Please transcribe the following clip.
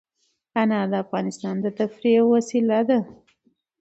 انار د افغانانو د تفریح یوه وسیله ده.